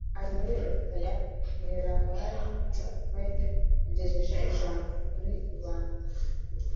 Ari muri leta ya Delaware, Joe Biden yagejeje ijambo kuri rubanda,